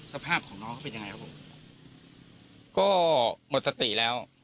สภาพของน้องเขาเป็นยังไงครับผมก็หมดสติแล้ว